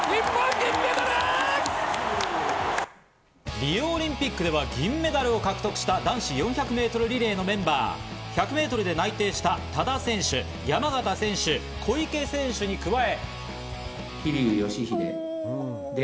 リオオリンピックでは銀メダルを獲得した男子４００ｍリレーのメンバー、１００ｍで内定した多田選手、山縣選手、小池選手に加え。